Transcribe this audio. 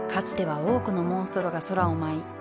つては多くのモンストロが空を舞い